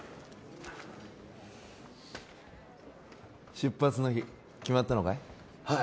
出発の日決まったのかい？